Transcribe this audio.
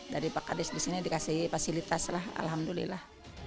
dari pak kadis di sini dikasih fasilitas lah alhamdulillah